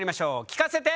聞かせて！